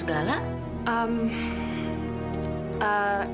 gak ada apa apa